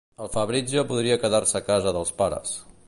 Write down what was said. El Fabrizio podria quedar-se a casa dels pares.